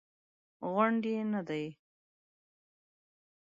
غونډ یې نه دی.